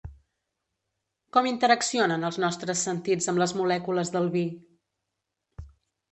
Com interaccionen els nostres sentits amb les molècules del vi?